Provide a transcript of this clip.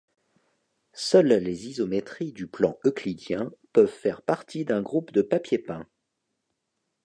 Seules les isométries du plan euclidien peuvent faire partie d'un groupe de papier peint.